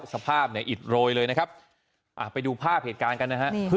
สภาพอิดโรยเลยไปดูภาพเหตุการณ์กัน